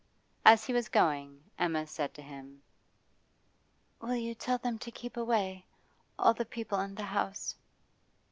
As he was going, Emma said to him: 'Will you tell them to keep away all the people in the house?